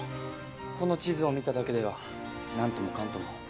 この地図を見ただけではなんともかんとも。